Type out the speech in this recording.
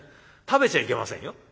食べちゃいけませんよ。